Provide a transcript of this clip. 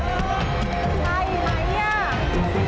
เออใช่ไหม